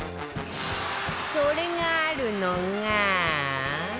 それがあるのが